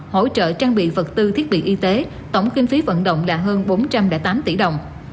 hỗ trợ trang bị vật tư thiết bị y tế tổng kinh phí vận động là hơn bốn trăm linh tám tỷ đồng